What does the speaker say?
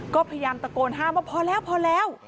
ก็พยายามตะโกนห้ามว่าพอแล้วพอแล้ว